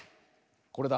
これだ。